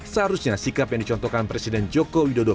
seharusnya sikap yang dicontohkan presiden joko widodo